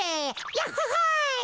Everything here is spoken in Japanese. やっほほい。